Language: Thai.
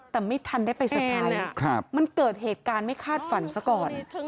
แต่ไม่ทันได้ไปเตอร์ไพรส์มันเกิดเหตุการณ์ไม่คาดฝันซะก่อน